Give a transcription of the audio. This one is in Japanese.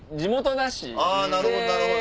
なるほどなるほど。